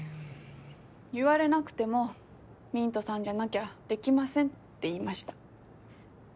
言われなくてもミントさんじゃなきゃできませんって言いました。